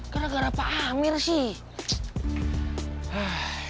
gara gara pak amir sih